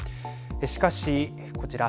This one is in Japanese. しかし、こちら。